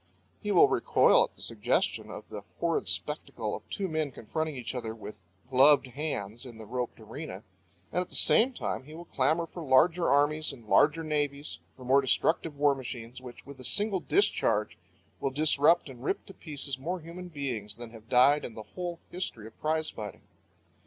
He will recoil at the suggestion of the horrid spectacle of two men confronting each other with gloved hands in the roped arena, and at the same time he will clamour for larger armies and larger navies, for more destructive war machines, which, with a single discharge, will disrupt and rip to pieces more human beings than have died in the whole history of prize fighting.